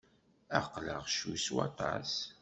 Aql-aɣ ccwi s waṭas.